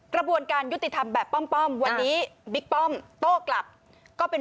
กระบวนการยุติธรรมแบบป้อมวันนี้บิ๊กป้อมโต้กลับก็เป็น